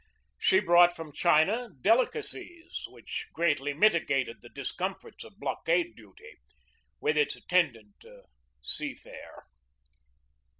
She brought from China delicacies which greatly mitigated the dis comforts of blockade duty, with its attendant sea fare.